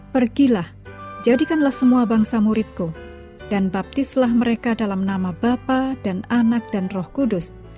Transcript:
pergilah jadikanlah semua bangsa muridku dan baptislah mereka dalam nama bapak dan anak dan roh kudus